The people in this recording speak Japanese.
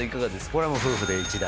これはもう夫婦で１台。